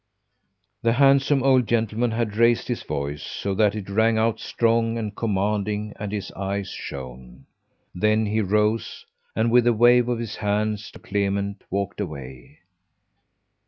The handsome old gentleman had raised his voice, so that it rang out strong and commanding, and his eyes shone. Then he rose, and, with a wave of his hand to Clement, walked away.